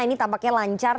ini tampaknya lancar